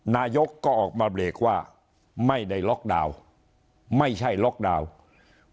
นายกก็ออกมาเบรกว่าไม่ได้ล็อกดาวน์ไม่ใช่ล็อกดาวน์